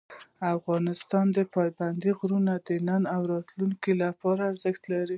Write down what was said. افغانستان کې پابندی غرونه د نن او راتلونکي لپاره ارزښت لري.